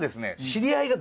知り合いが。